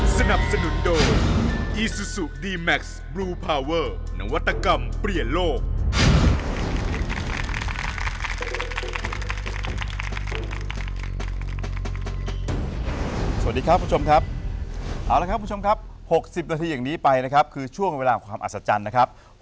สวัสดีครับคุณผู้ชมครับเอาละครับคุณผู้ชมครับ๖๐นาทีอย่างนี้ไปนะครับคือช่วงเวลาของความอัศจรรย์นะครับ